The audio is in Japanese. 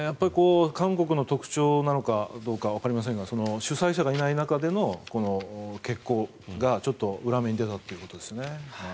韓国の特徴なのかどうかわかりませんが主催者がいない中での決行が裏目に出たということですね。